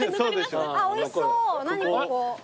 おいしそう何ここ。